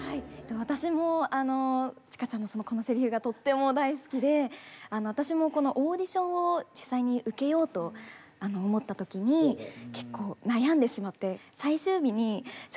私もあの千歌ちゃんのこのセリフがとっても大好きで私もこのオーディションを実際に受けようと思った時に結構悩んでしまって。